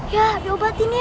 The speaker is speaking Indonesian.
ya diobatin ya